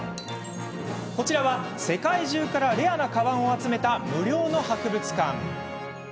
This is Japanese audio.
こちらは世界中からレアなかばんを集めた無料の博物館。